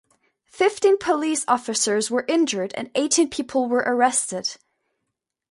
Fifteen police officers were injured and eighteen people were arrested.